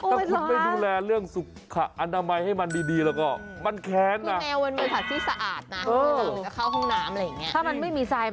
ถ้าคุณไม่ดูแลเรื่องสุทธิภาระได้ประจำให้ดีแล้วก็มันแท้นะ